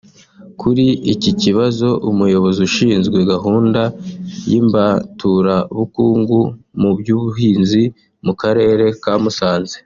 Kuri iki kibazo Umuyobozi ushinzwe gahunda y’imbaturabukungu mu by’ubuhinzi mu Karere ka Musanze